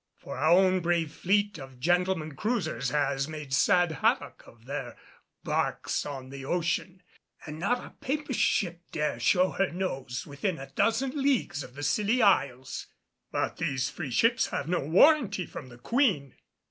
For our own brave fleet of gentlemen cruisers has made sad havoc of their barques on the ocean, and not a Papist ship dare show her nose within a dozen leagues of the Scilly Isles." "But these free ships have no warranty from the Queen."